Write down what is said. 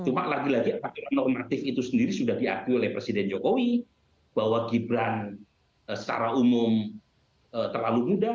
cuma lagi lagi apakah normatif itu sendiri sudah diakui oleh presiden jokowi bahwa gibran secara umum terlalu muda